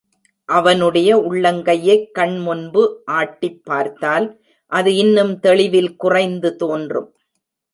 அவனுடைய உள்ளங்கையைக் கண் முன்பு ஆட்டிப் பார்த்தால், அது இன்னும் தெளிவில் குறைந்து தோன்றும்.